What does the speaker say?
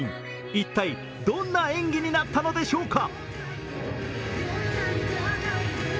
一体どんな演技になったのでしょうか。